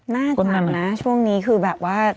น่าจะนะช่วงนี้คือแบบว่า